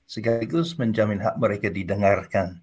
segera gerus menjamin hak mereka didengarkan